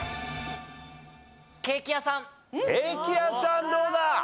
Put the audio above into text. ケーキ屋さんどうだ？